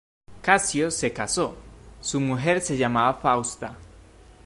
Casio se casó, su mujer se llamaba Fausta.